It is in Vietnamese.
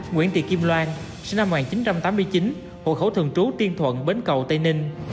nguyễn thị kim loan sinh năm một nghìn chín trăm tám mươi chín hộ khẩu thường trú tiên thuận bến cầu tây ninh